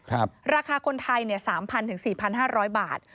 ราคาคนไทย๓๐๐๐๔๕๐๐บาท